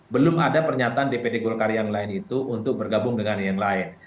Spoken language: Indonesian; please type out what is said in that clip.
belum ada pernyataan dpd golkar yang lain itu untuk bergabung dengan yang lain